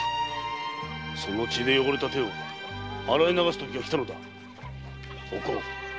その血で汚れた手を洗い流すときがきたのだ！